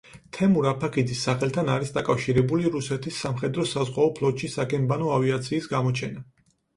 თემურ აფაქიძის სახელთან არის დაკავშირებული რუსეთის სამხედრო-საზღვაო ფლოტში საგემბანო ავიაციის გამოჩენა.